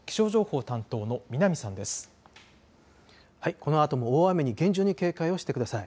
このあとも大雨に厳重に警戒をしてください。